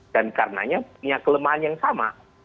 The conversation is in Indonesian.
dan karenanya punya kelemahan yang sama